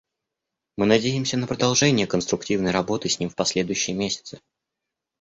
Мы надеемся на продолжение конструктивной работы с ним в последующие месяцы.